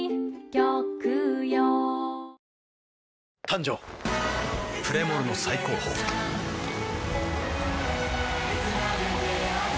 誕生プレモルの最高峰プシュッ！